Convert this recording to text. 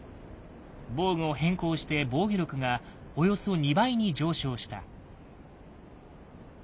防具を変更して防御力がおよそ２倍に上昇した。